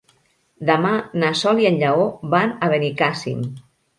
Demà na Sol i en Lleó van a Benicàssim.